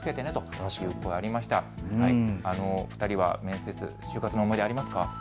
２人は面接、就活の思い出ありますか。